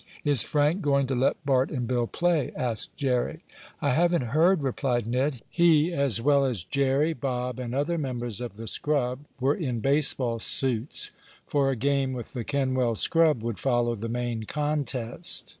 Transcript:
"Is Frank going to let Bart and Bill play?" asked Jerry. "I haven't heard," replied Ned. He, as well as Jerry, Bob and other members of the scrub, were in baseball suits, for a game with the Kenwell scrub would follow the main contest.